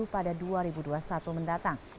pada dua ribu dua puluh satu mendatang